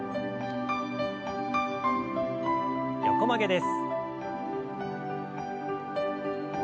横曲げです。